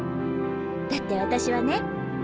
だって私はね